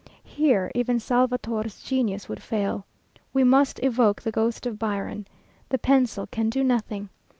Here even Salvator's genius would fail. We must evoke the ghost of Byron. The pencil can do nothing.